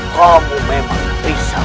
kamu memang bisa